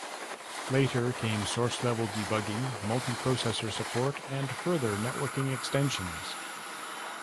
Later came source-level debugging, multi-processor support and further networking extensions.